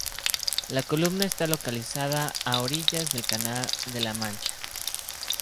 La comuna está localizada a orillas del Canal de la Mancha.